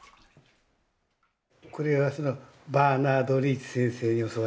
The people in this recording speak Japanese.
これはバーナード・リーチ先生に教わりました。